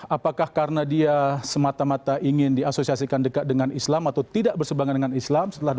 apakah karena dia semata mata ingin diasosiasikan dekat dengan islam atau tidak bersebangan dengan islam setelah dua ratus dua belas